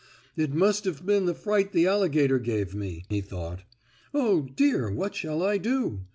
"It must have been the fright the alligator gave me," he thought. "Oh, dear, what shall I do?